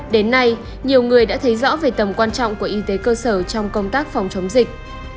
đến nay nhiều người đã thấy rõ về tầm quan trọng của y tế cơ sở trong công tác phòng chống dịch